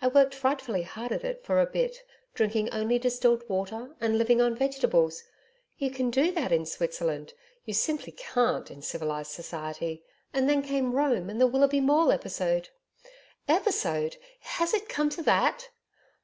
I worked frightfully hard at it for a bit, drinking only distilled water and living on vegetables you CAN do that in Switzerland: you simply CAN'T in civilised society And then came Rome and the Willoughby Maule episode. Episode! Has it come to that!